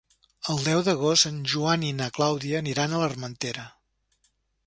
El deu d'agost en Joan i na Clàudia aniran a l'Armentera.